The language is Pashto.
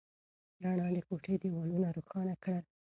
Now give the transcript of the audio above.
رڼا د کوټې دیوالونه روښانه کړل.